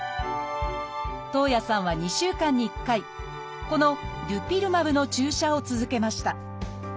徳文さんは２週間に１回このデュピルマブの注射を続けました。